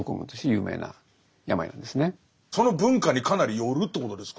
その文化にかなりよるってことですか？